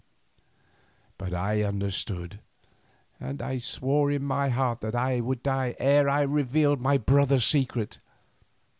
But I understood, and I swore in my heart that I would die ere I revealed my brother's secret.